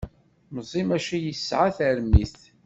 Meẓẓi maca yesεa tarmit.